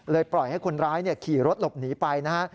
ปล่อยให้คนร้ายขี่รถหลบหนีไปนะฮะ